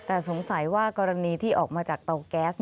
แต่สงสัยว่ากรณีที่ออกมาจากเตาแก๊ส